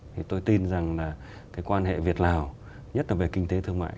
thì tôi tin rằng là cái quan hệ việt lào nhất là về kinh tế thương mại